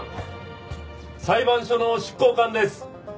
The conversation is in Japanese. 裁判所の執行官です！